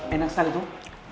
enak sekali tuh